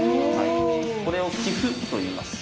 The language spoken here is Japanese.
これを「棋譜」といいます。